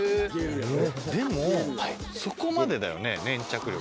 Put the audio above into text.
でも、そこまでだよね、粘着力。